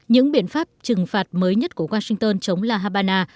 những biện pháp trừng phạt mới nhất của washington chống la habana